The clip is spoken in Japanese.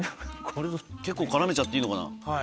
結構絡めちゃっていいのかな。